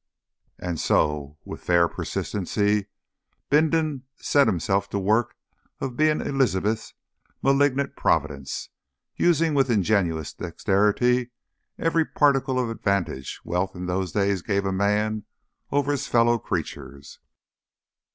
And so, with a fair persistency, Bindon sat himself to the work of being Elizabeth's malignant providence, using with ingenious dexterity every particle of advantage wealth in those days gave a man over his fellow creatures.